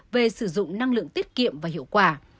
về sử dụng năng lượng tiết kiệm và hiệu quả